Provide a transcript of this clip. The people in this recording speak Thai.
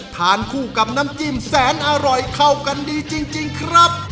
ทานคู่กับน้ำจิ้มแสนอร่อยเข้ากันดีจริงครับ